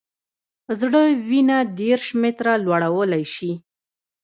زړه وینه دېرش متره لوړولی شي.